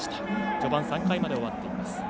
序盤、３回まで終わっています。